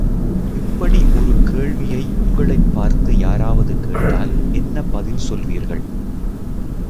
இப்படி ஒரு கேள்வியை உங்களைப் பார்த்து யாராவது கேட்டால் என்ன பதில் சொல்வீர்கள்?